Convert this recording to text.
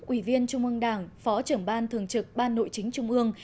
ủy viên trung ương đảng phó trưởng ban thường trực ban nội chính trung ương